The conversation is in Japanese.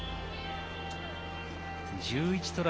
１１トライ